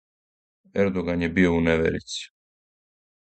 Ердоган је био у неверици.